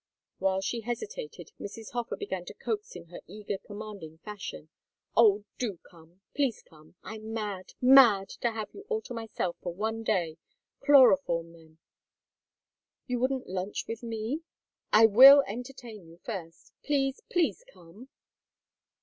While she hesitated Mrs. Hofer began to coax in her eager commanding fashion. "Oh, do come! Please come! I'm mad, mad to have you all to myself for one day. Chloroform them " "You wouldn't lunch with me?" "I will entertain you first. Please, please, come!"